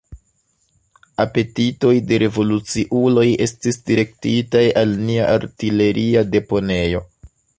Apetitoj de revoluciuloj estis direktitaj al nia artileria deponejo.